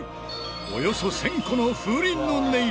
およそ１０００個の風鈴の音色